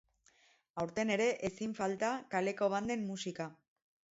Aurten ere ezin falta kaleko banden musika.